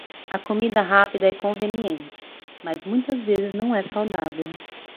A comida rápida é conveniente, mas muitas vezes não é saudável.